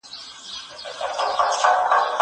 زه پرون کالي وچوم وم.